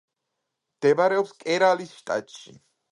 მდებარეობს კერალის შტატში.